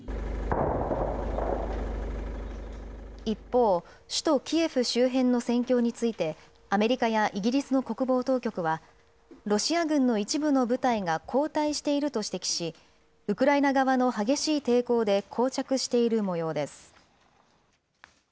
一方、首都キエフ周辺の戦況について、アメリカやイギリスの国防当局は、ロシア軍の一部の部隊が後退していると指摘し、ウクライナ側の激しい抵抗でこう着しているもようです。